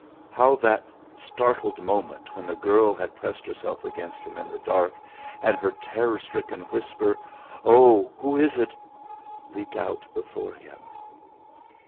How that startled moment, when the girl had pressed herself against him in the dark, and her terror stricken whisper: "Oh! Who is it?" leaped out before him!